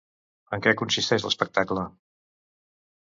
En què consisteix l'espectacle?